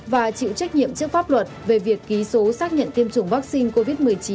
và chịu trách nhiệm trước pháp luật về việc ký số xác nhận tiêm chủng vaccine covid một mươi chín của đơn vị